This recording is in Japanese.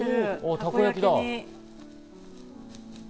たこ焼きだ。